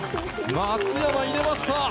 松山、入れました。